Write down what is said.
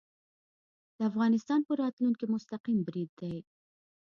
د افغانستان په راتلونکې مستقیم برید دی